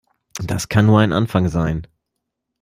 Das kann nur ein Anfang sein.